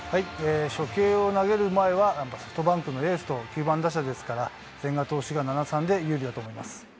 初球を投げる前は、ソフトバンクのエースと９番打者ですから、千賀投手が７・３で有利だと思います。